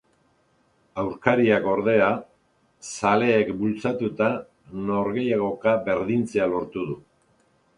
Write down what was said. Aurkariak, ordea, zaleek bultzatuta, norgehiagoka berdintzea lortu du.